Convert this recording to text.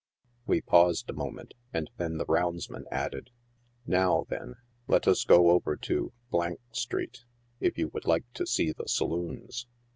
We paused a moment, and then the roundsman added —" Now, then, let us go over to street, if you would like to see the saloons."